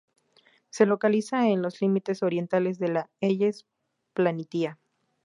Se localiza en los límites orientales de la Hellas Planitia.